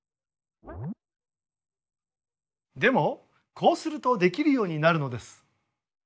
こうするとできるようになるのです。